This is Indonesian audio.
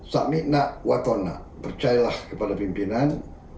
samikna watona percayalah kepada pimpinan